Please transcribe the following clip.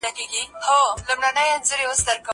امادګي وکړه!؟